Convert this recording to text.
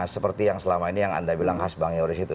seperti yang selama ini yang anda bilang khas bang yoris itu